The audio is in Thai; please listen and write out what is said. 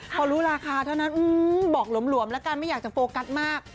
พอรู้ราคาเท่านั้นบอกหลวมแล้วกันไม่อยากจะโฟกัสมาก